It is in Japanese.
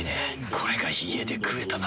これが家で食えたなら。